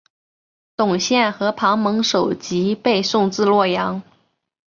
董宪和庞萌首级被送至洛阳。